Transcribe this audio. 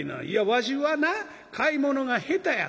わしはな買い物が下手や。